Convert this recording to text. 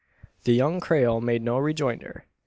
The young Creole made no rejoinder.